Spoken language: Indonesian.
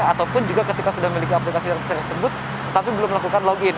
ataupun juga ketika sudah memiliki aplikasi tersebut tapi belum melakukan login